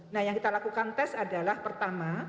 nah yang kita lakukan tes adalah pertama